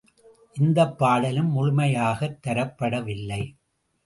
இந்தப் பாடலும் முழுமையாகத் தரப்படவில்லை.